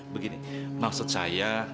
begini maksud saya